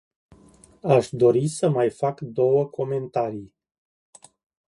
Aș dori să mai fac două comentarii.